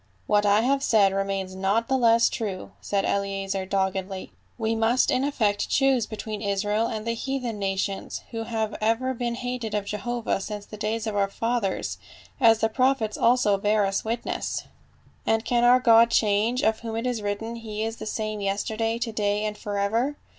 "What I have said remains not the less true," said Eleazer doggedly. " We must in effect choose be tween Israel and the heathen nations, who have ever been hated of Jehovah since the days of our fathers, as the prophets also bear us witness ; and can our God change, of whom it is written, he is the same yester day, to day and forever?"